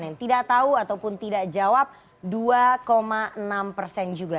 yang tidak tahu ataupun tidak jawab dua enam persen juga